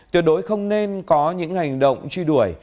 tuyệt đối không nên có những hành động truy đuổi